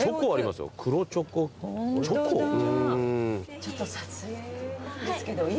ちょっと撮影なんですけどいいですか？